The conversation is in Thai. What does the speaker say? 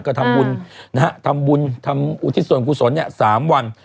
ก็ทำบุญทำอุทิศวรณ์กุศล๓วัน